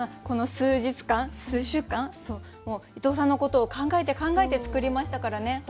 この数日間数週間伊藤さんのことを考えて考えて作りましたからね。